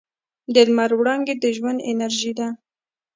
د لمر وړانګې د ژوند انرژي ده.